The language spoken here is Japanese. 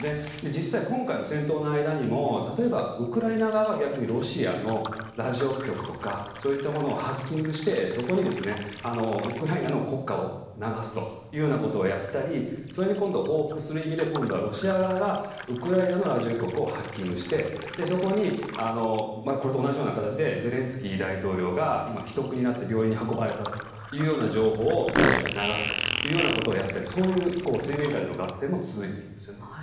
実際、今回の戦闘の間にも例えば、ウクライナ側は逆にロシアのラジオ局とかそういったものをハッキングしてそこにウクライナの国歌を流すということをやったりそれに今度報復する意味で今度はロシア側がウクライナのラジオ局をハッキングしてそこにこれと同じような形でゼレンスキー大統領が今、危篤になって病院に運ばれたという情報をラジオで流すということをやったりそういう水面下での合戦も続いているんですよね。